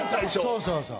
そうそうそう。